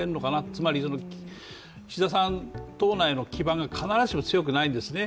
つまり岸田さん、党内の基盤が必ずしも強くはないんですね。